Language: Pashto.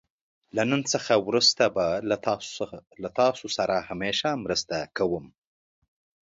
له نن څخه وروسته به له تاسو همېشه مرسته کوم.